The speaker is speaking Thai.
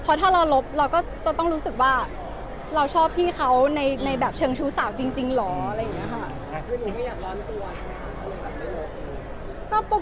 เพราะถ้าเราลบเราก็จะต้องรู้สึกว่าเราชอบพี่เขาในแบบเชิงชู้สาวจริงเหรออะไรอย่างนี้ค่ะ